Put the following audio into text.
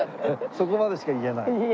そこまでしか言えない？